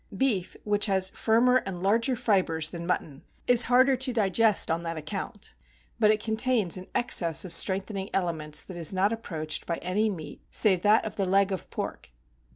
Beef, which has firmer and larger fibres than mutton, is harder to digest on that account, but it contains an excess of strengthening elements that is not approached by any meat, save that of the leg of pork.